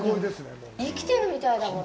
生きてるみたいだもん。